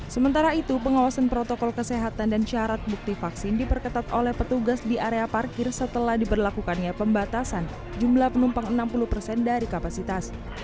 sementara itu pengawasan protokol kesehatan dan syarat bukti vaksin diperketat oleh petugas di area parkir setelah diberlakukannya pembatasan jumlah penumpang enam puluh persen dari kapasitas